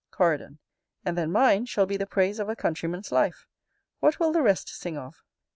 Coridon. And then mine shall be the praise of a Countryman's life. What will the rest sing of?